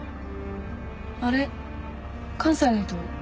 あれ関西の人？